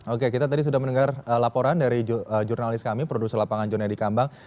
oke kita tadi sudah mendengar laporan dari jurnalis kami produser lapangan jonadi kambang